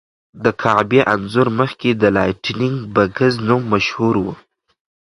د کعبې انځور مخکې د لایټننګ بګز نوم مشهور و.